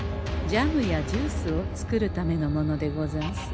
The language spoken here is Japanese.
ジャムやジュースを作るためのものでござんす。